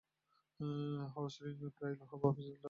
Horse ring প্রায়ই লোহা বা পিতল দ্বারা তৈরি হত।